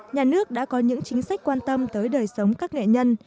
nhà nước đã có những chính sách quan tâm tới đời sống các nghệ nhân